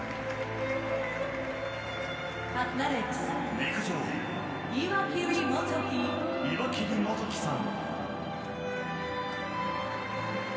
陸上、岩切基樹さん。